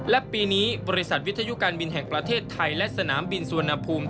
และปีนี้บริษัทวิทยุการบินแห่งประเทศไทยและสนามบินสุวรรณภูมิ